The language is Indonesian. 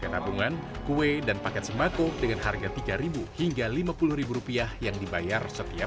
tabungan kue dan paket sembako dengan harga tiga ribu hingga lima puluh rupiah yang dibayar setiap